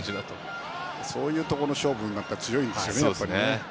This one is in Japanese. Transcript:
そういうところの勝負に強いですよね。